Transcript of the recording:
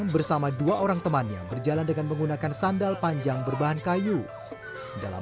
bersama dua orang temannya berjalan dengan menggunakan sandal panjang berbahan kayu dalam